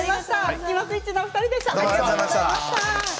スキマスイッチのお二人でした。